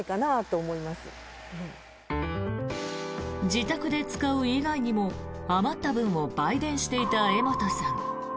自宅で使う以外にも余った分を売電していた江本さん。